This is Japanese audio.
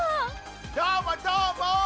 どーもどーも！